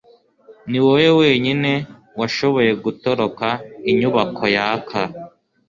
niwowe wenyine washoboye gutoroka inyubako yaka